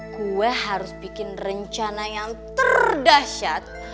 gue harus bikin rencana yang terdasyat